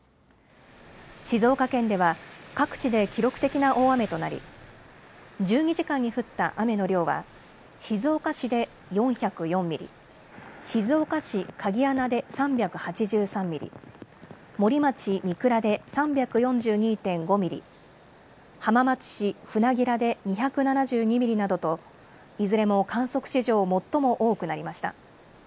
静岡県では各地で記録的な大雨となり、１２時間に降った雨の量は静岡市で４０４ミリ、静岡市鍵穴で３８３ミリ、森町三倉で３４２．５ミリ、浜松市船明で２７２ミリなどといずれも観測史上最も多くなりました。